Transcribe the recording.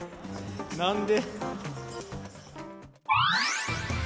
何で？